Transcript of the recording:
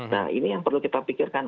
nah ini yang perlu kita pikirkan